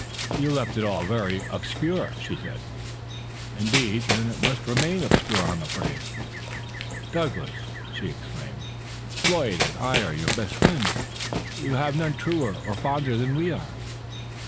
"You left it all very obscure." " Indeed ? Then it must remain obscure, I am afraid." " Douglas !" she exclaimed. " Floyd and I are your best firiends. You have none truer or fonder than we are."